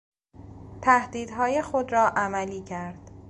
تهدیدهای خود را عملی کرد.